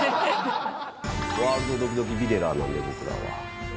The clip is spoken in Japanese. ワールドドキドキビデラーなんで、僕らは。